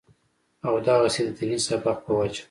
او دغسې د ديني سبق پۀ وجه